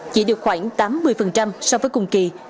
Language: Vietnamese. chỉ được khoảng tám mươi so với cùng kỳ